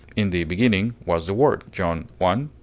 "In the beginning was the word," John i, 1.